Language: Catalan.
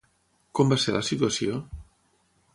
Com va ser la situació?